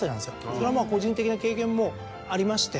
それはまぁ個人的な経験もありまして。